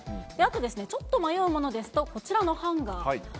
あとですね、ちょっと迷うものですと、こちらのハンガー。